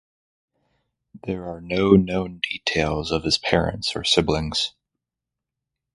There are no known details of his parents or siblings.